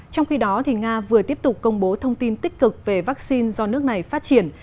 trong khi đó nga vừa tiếp tục công bố thông tin tích cực về vaccine do nước này phát triển